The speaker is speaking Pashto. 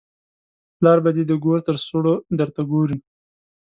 پلار به دې د ګور تر سوړو درته ګوري.